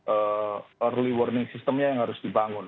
early warning systemnya yang harus dibangun